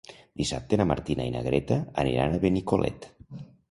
Dissabte na Martina i na Greta aniran a Benicolet.